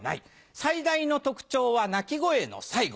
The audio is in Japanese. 最大の特徴は鳴き声の最後。